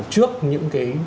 trước những cái